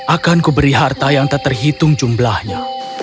akanku beri harta yang tak terhitung jumlahnya